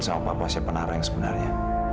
sama bapak siapa nara yang sebenarnya